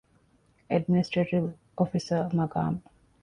އެޑްމިނިސްޓްރޭޓިވް އޮފިސަރ މަޤާމު